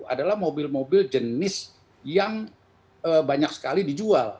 adalah mobil mobil jenis yang banyak sekali dijual